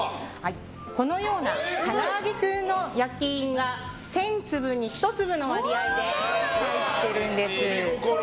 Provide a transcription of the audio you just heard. このようなからあげクンの焼印が１０００粒に１粒の割合で入ってるんです。